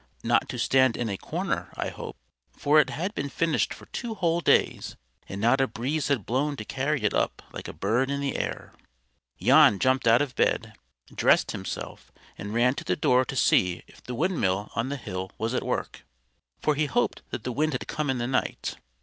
Not to stand in a corner, I hope!" for it had been finished for two whole days and not a breeze had blown to carry it up like a bird in the air. Jan jumped out of bed, dressed himself, and ran to the door to see if the windmill on the hill was at work; for he hoped that the wind had come in the night.